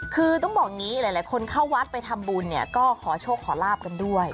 คือต้องบอกอย่างนี้หลายคนเข้าวัดไปทำบุญเนี่ยก็ขอโชคขอลาบกันด้วย